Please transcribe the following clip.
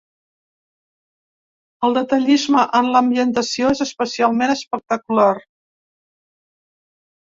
El detallisme en l’ambientació és especialment espectacular.